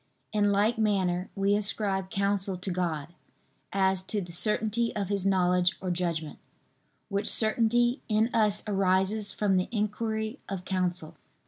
In like manner we ascribe counsel to God, as to the certainty of His knowledge or judgment, which certainty in us arises from the inquiry of counsel.